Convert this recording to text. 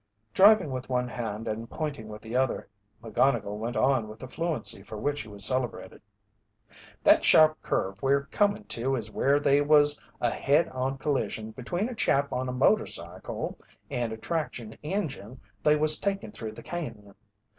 Driving with one hand and pointing with the other, McGonnigle went on with the fluency for which he was celebrated: "That sharp curve we're comin' to is where they was a head on collision between a chap on a motorcycle and a traction en jine they was takin' through the cañon.